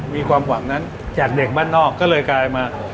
มีความหวังนั้นจากเด็กบ้านนอกก็เลยกลายมา